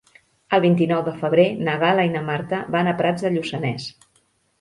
El vint-i-nou de febrer na Gal·la i na Marta van a Prats de Lluçanès.